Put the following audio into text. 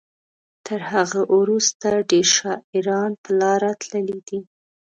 تر هغه وروسته ډیر شاعران پر لاره تللي دي.